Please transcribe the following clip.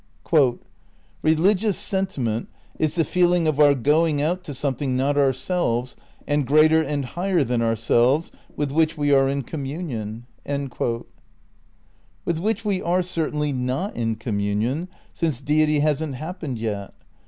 "... religious sentiment ... is the feeling of our going out to something not ourselves and greater and higher than ourselves, with ■which we are in communion." ' With which we are certainly not in communion, since Deity hasn't happened yet.